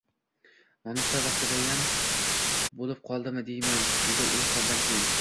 Nonushta vaqtiyam bo‘lib qoldimi deyman, — dedi u saldan keyin.